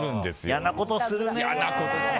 嫌なことするね。